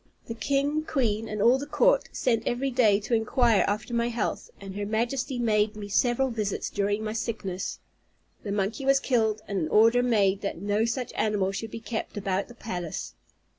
The king, queen, and all the court, sent every day to inquire after my health, and her Majesty made me several visits during my sickness. The monkey was killed, and an order made that no such animal should be kept about the palace.